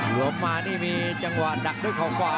เอ่อหวมมานี่มีจังหวานดักด้วยข่าวขวา